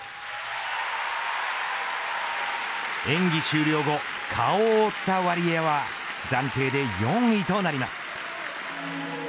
演技終了後顔を覆ったワリエワは暫定で４位となります。